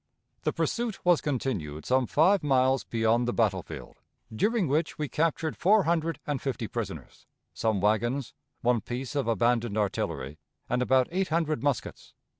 The pursuit was continued some five miles beyond the battle field, during which we captured four hundred and fifty prisoners, some wagons, one piece of abandoned artillery, and about eight hundred muskets.